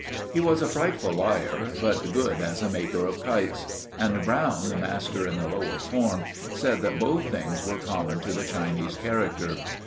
He was a frightful liar, but good as a maker of kites. And Browne, the master in the lower fourth, said that both things were common to the Chinese character.